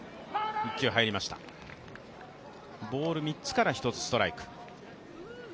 ボール３つから１つストライク。